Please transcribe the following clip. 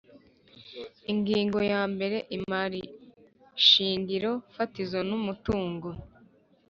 Ingingo ya mbere Imari shingiro fatizo n umutungo